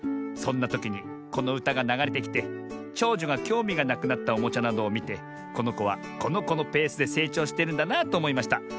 そんなときにこのうたがながれてきてちょうじょがきょうみがなくなったおもちゃなどをみてこのこはこのこのペースでせいちょうしてるんだなとおもいました。